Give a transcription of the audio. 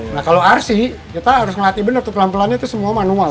nah kalau rc kita harus ngelatih benar tuh pelan pelan itu semua manual